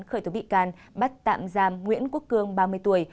khởi tố bị can bắt tạm giam nguyễn quốc cương ba mươi tuổi